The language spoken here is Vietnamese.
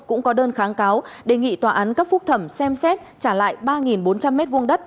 cũng có đơn kháng cáo đề nghị tòa án cấp phúc thẩm xem xét trả lại ba bốn trăm linh m hai đất